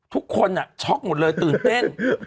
ทุกคนช็อกหมดเลยตื่นเต้น